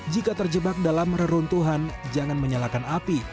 jika terjebak dalam reruntuhan jangan menyalakan api